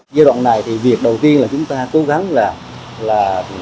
giai đoạn này thì việc đầu tiên là chúng ta cố gắng làm là